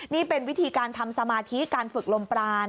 นี่เป็นวิธีการทำสมาธิการฝึกลมปราน